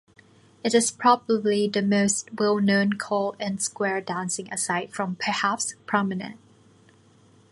It is probably the most well-known call in square dancing aside from, perhaps, "Promenade".